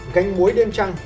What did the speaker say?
gánh muối đêm trăng